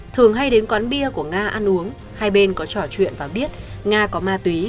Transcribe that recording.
thường hay đến quán bia của nga ăn uống hai bên có trò chuyện và biết nga có ma túy